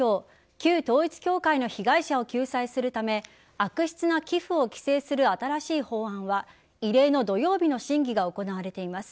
旧統一教会の被害者を救済するため悪質な寄付を規制する新しい法案は異例の土曜日の審議が行われています。